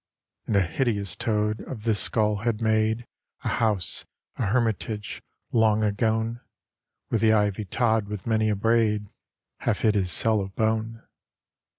And a hideous toad of this skull had made A house, a hermitage, long agone, Where the ivy tod with many a braid Half hid his cell of bone.